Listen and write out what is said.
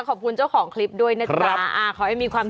ขอบคุณเจ้าของคลิปด้วยหน้าตา